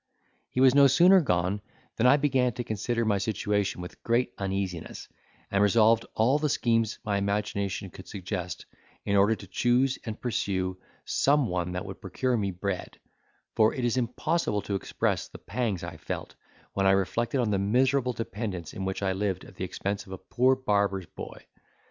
He was no sooner gone, than I began to consider my situation with great uneasiness, and revolved all the schemes my imagination could suggest, in order to choose and pursue some one that would procure me bread; for it is impossible to express the pangs I felt, when I reflected on the miserable dependence in which I lived at the expense of a poor barber's boy.